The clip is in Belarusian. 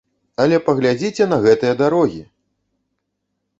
Але паглядзіце на гэтыя дарогі!